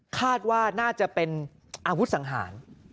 คาดว่าน่าจะเป็นอาวุธสังหาร